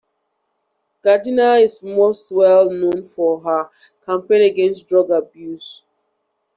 Gardiner is most well known for her campaign against drug abuse.